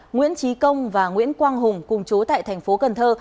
nguyễn trí công và nguyễn quang hùng cùng chú tại thành phố cần thơ